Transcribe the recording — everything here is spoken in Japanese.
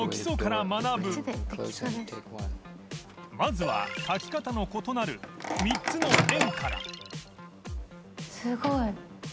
泙困描き方の異なる３つの円から森川）